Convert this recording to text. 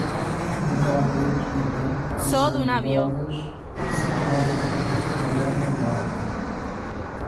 Um cão preto e branco usando golas sacode na grama morta.